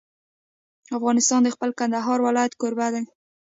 افغانستان د خپل کندهار ولایت کوربه دی.